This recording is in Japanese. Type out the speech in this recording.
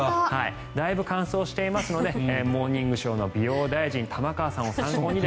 だいぶ乾燥していますので「モーニングショー」の美容大臣玉川さんを参考に。